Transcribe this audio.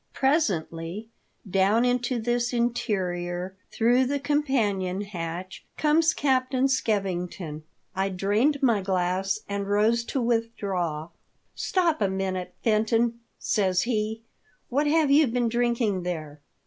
Presently, down into this interior through lO THE DEATH SHU\ the companion hatch comes Captain Skev ington. I drained my glass and rose to withdraw. " Stop a minute, Fenton," says he ; "what have you been drinking there